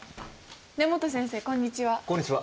根元先生こんにちは。